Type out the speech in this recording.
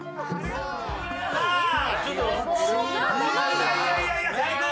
いやいやいやいや最高。